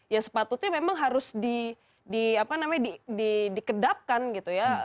ya sepatutnya memang harus dikedapkan gitu ya